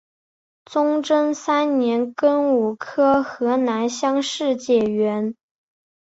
崇祯三年庚午科河南乡试解元。